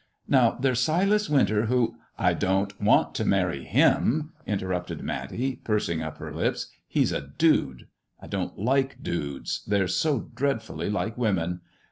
Now, there's Silas Winter, who "" I don't want to marry him," interrupted Matty, pursing up her lips ;" he's a dude. I don't like dudes, they're so dreadfully like women.